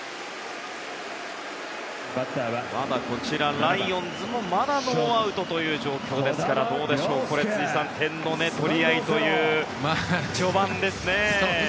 こちらライオンズもまだノーアウトという状況ですからどうでしょう、辻さん点の取り合いという序盤ですね。